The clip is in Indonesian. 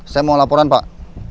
saya mau laporan pak